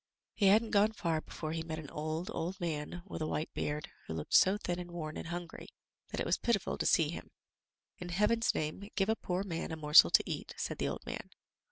He hadn't gone far before he met an old, old man with a white beard, who looked so thin and worn and hungry that it was pitiful to see him. "In heaven's name give a poor man a morsel to eat," said the old man.